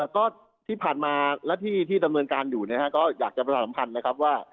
ก็ที่ผ่านมาและที่ดำเนินการอยู่ก็อยากจะประชาสัมพันธ์นะครับว่า